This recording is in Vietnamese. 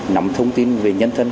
nắm thông tin về nhân thân